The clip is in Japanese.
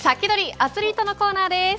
アツリートのコーナーです。